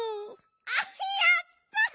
あっやった！